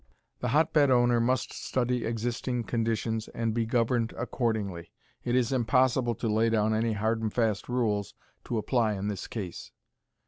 The hotbed owner must study existing conditions and be governed accordingly. It is impossible to lay down any hard and fast rules to apply in this case.